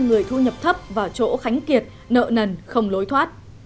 người thu nhập thấp và chỗ khánh kiệt nợ nần không lối thoát